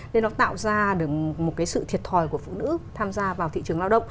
nên nó tạo ra được một cái sự thiệt thòi của phụ nữ tham gia vào thị trường lao động